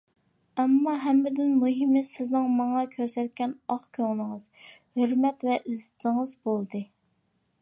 ئەمما ھەممىدىن مۇھىمى سىزنىڭ ماڭا كۆرسەتكەن ئاق كۆڭلىڭىز، ھۆرمەت ۋە ئىززىتىڭىز بولدى.